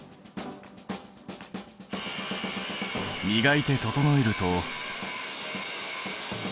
みがいて整えると。